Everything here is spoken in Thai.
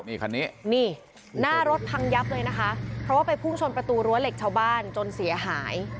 นี่คันนี้นี่หน้ารถพังยับเลยนะคะเพราะว่าไปพุ่งชนประตูรั้วเหล็กชาวบ้านจนเสียหาย